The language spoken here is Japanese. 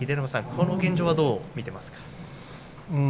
この現状、どう見ていますか。